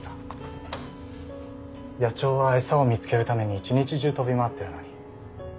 野鳥は餌を見つけるために一日中飛び回っているのに。